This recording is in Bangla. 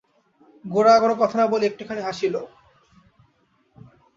গোরা কোনো কথা না বলিয়া একটুখানি হাসিল।